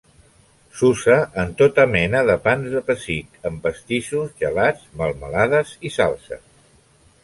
S'usa en tota mena de pans de pessic, en pastissos, gelats, melmelades i salses.